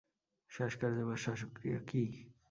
শ্বাসকার্য বা শ্বাসক্রিয়া কি?